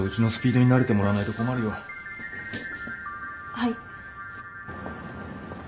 はい。